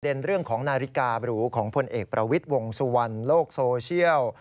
เรื่องของนาฬิกาบรูของพลเอกประวิทย์วงสุวรรณโลกโซเชียล